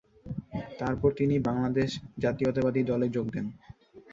তারপর তিনি বাংলাদেশ জাতীয়তাবাদী দলে যোগ দেন।